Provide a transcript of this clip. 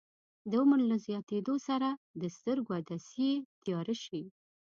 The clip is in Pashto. د عمر له زیاتیدو سره د سترګو عدسیې تیاره شي.